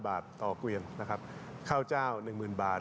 ๑๕๐๐บาทต่อเกวียนข้าวเจ้า๑๐๐๐๐บาท